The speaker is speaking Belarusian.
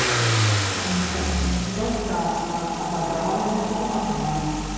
Смерць заўчасна адабрала яго ад нас.